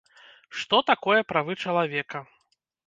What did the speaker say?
Што такое правы чалавека?